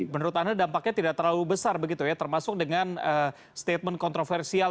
menurut anda dampaknya tidak terlalu besar begitu ya termasuk dengan statement kontroversial